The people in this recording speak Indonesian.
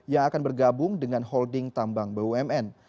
yang akan bergabung dengan holding tambang bumn